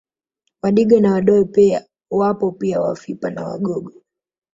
Wadigo na Wadoe wapo pia Wafipa na Wagogo